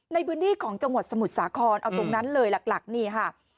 ในพื้นที่ของจังหวัดสมุทรสาครเอาตรงนั้นเลยหลักนี่ค่ะ